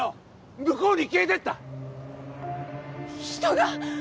向こうに消えてった人が！？